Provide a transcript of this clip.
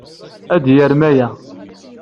Ad yarem aya.